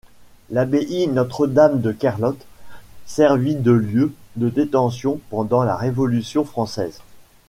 L'abbaye Notre-Dame de Kerlot servit de lieu de détention pendant la Révolution française.